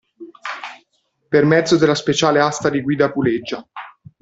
Per mezzo della speciale asta di guida a puleggia.